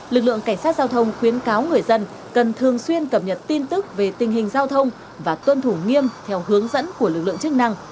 lực lượng cảnh sát giao thông khuyến cáo người dân cần thường xuyên cập nhật tin tức về tình hình giao thông và tuân thủ nghiêm theo hướng dẫn của lực lượng chức năng